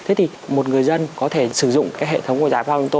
thế thì một người dân có thể sử dụng cái hệ thống của giải pháp của chúng tôi